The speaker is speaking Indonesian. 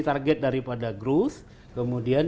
target daripada growth kemudian